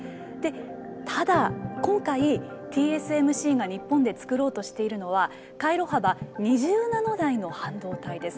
ただ、今回、ＴＳＭＣが日本で作ろうとしているのは回路幅２０ナノ台の半導体です。